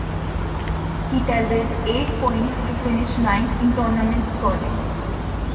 He tallied eight points to finish ninth in tournament scoring.